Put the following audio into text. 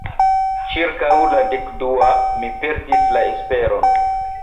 Ĉirkaŭ la dek-dua, mi perdis la esperon.